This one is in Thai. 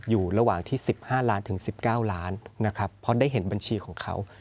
อยู่ระหว่างที่๑๕ล้านถึง๑๙ล้านนะครับเพราะได้เห็นบัญชีของเขา